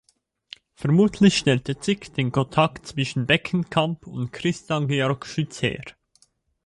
Vermutlich stellte Zick den Kontakt zwischen Beckenkamp und Christian Georg Schütz her.